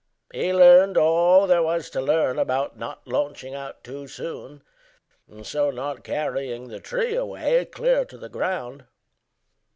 He learned all there was To learn about not launching out too soon And so not carrying the tree away Clear to the ground.